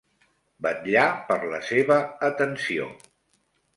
Vetllar per la seva atenció.